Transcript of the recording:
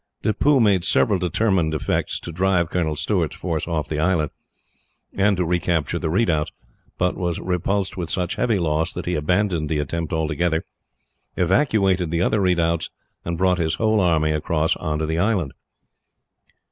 Tippoo made several determined efforts to drive Colonel Stuart's force off the island, and to recapture the redoubts, but was repulsed with such heavy loss that he abandoned the attempt altogether, evacuated the other redoubts, and brought his whole army across on to the island.